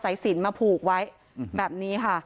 สินมาผูกไว้แบบนี้ค่ะ